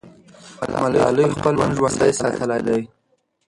ملالۍ خپل نوم ژوندی ساتلی دی.